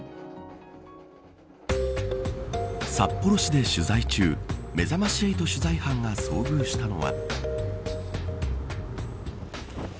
札幌市で取材中めざまし８取材班が遭遇したのは。